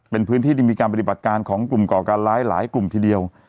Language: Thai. เป็นพื้นที่ที่มีการปฏิบัติการของกลุ่มก่อการร้ายหลายกลุ่มทีเดียว